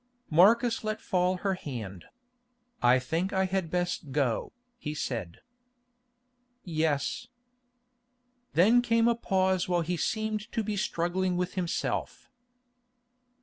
Marcus let fall her hand. "I think I had best go," he said. "Yes." Then came a pause while he seemed to be struggling with himself.